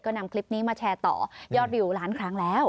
นำคลิปนี้มาแชร์ต่อยอดวิวล้านครั้งแล้ว